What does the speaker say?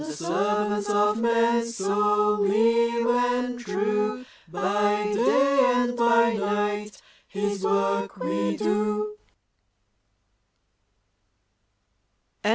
The servants of man so leal and true, By day and by night his work we do.